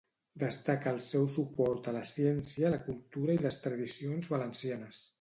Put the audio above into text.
Destaca el "seu suport a la ciència, la cultura i les tradicions valencianes".